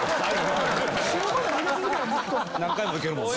何回もいけるもんな。